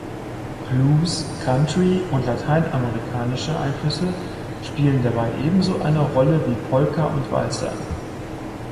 Blues, Country und lateinamerikanische Einflüsse spielen dabei ebenso eine Rolle wie Polka und Walzer.